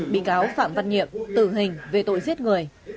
bị cáo phạm văn nhiệm tử hình về tội giết người